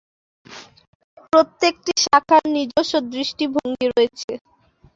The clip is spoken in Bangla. প্রত্যেকটি শাখার নিজস্ব দৃষ্টিভঙ্গি রয়েছে।